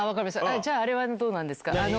じゃあ、あれはどうなんですか。